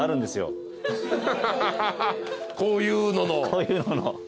こういうのの。